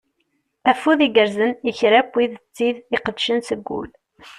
Afud igerzen i kra n wid d tid iqeddcen seg ul.